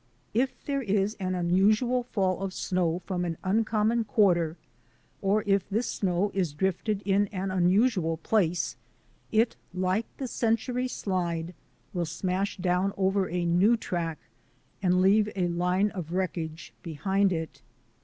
If there is an unusual fall of snow from an uncommon quarter, or if this snow is drifted in an unusual place, it, like the century slide, will smash down over a new track and leave a line of wreckage behind it.